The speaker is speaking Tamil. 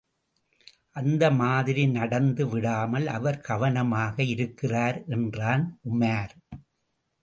அந்த மாதிரி நடந்து விடாமல் அவர் கவனமாக இருக்கிறார் என்றான் உமார்.